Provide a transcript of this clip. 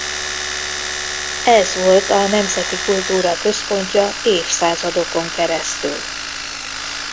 Ez volt a nemzeti kultúra központja évszázadokon keresztül.